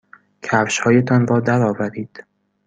کفشهایتان را درآورید.